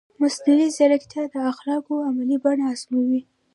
مصنوعي ځیرکتیا د اخلاقو عملي بڼه ازموي.